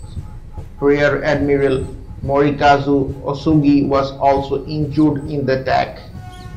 Rear Admiral Morikazu Osugi was also injured in the attack.